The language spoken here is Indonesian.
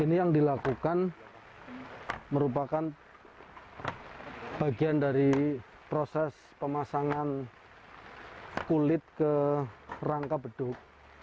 ini yang dilakukan merupakan bagian dari proses pemasangan kulit ke rangka beduk